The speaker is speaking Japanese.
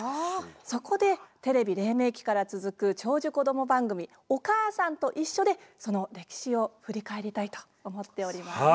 そこでテレビ黎明期から続く長寿こども番組「おかあさんといっしょ」でその歴史を振り返りたいと思っております。